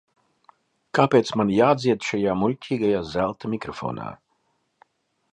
Kāpēc man jādzied šajā muļķīgajā zelta mikrofonā?